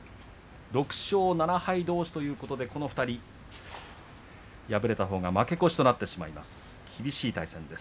６勝７敗どうしということでこの２人敗れたほうが負け越しとなってしまいます。